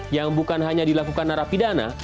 yang bukan hanya dilakukan narapidana